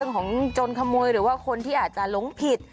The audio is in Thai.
ของจนขโมยหรือว่าคนที่อาจจะหลงผิด